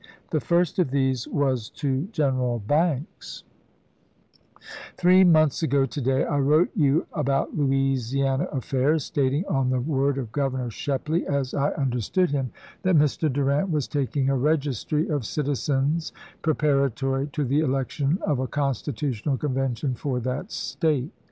The first of these was to Greneral Banks : Three months ago to day I wrote you about Louisi ana affairs, stating on the word of Governor Shepley, as I understood him, that Mr. Durant was taking a registry of citizens preparatory to the election of a Constitutional Convention for that State.